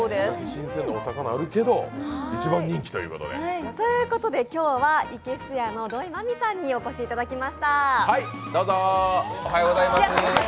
新鮮なお魚があるけど一番人気ということで。ということで今日はいけすやの土屋真美さんにお越しいただきました。